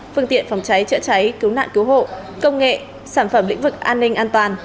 phương tiện phòng cháy chữa cháy cứu nạn cứu hộ công nghệ sản phẩm lĩnh vực an ninh an toàn